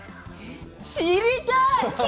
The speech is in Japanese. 知りたい！